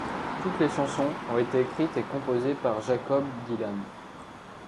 Toutes les chansons ont été écrites et composées par Jakob Dylan.